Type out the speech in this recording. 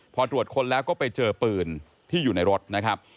พอตรวจค้นแล้วก็ไปเจอปืนที่อยู่ในรถนะครับ